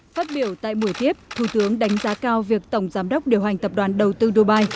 phát biểu tại buổi tiếp thủ tướng đánh giá cao việc tổng giám đốc điều hành tập đoàn đầu tư dubai